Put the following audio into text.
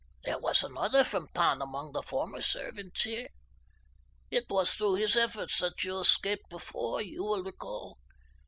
There was another from Tann among the former servants here. "It was through his efforts that you escaped before, you will recall.